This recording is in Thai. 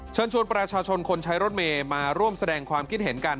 เชิญชวนประชาชนคนใช้รถเมย์มาร่วมแสดงความคิดเห็นกัน